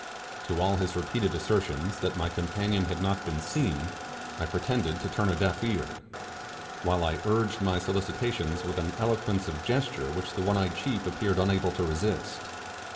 To all his repeated assertions, that my companion had not been seen, I pretended to turn a deaf ear, while I urged my solicitations with an eloquence of gesture which the one eyed chief appeared unable to resist.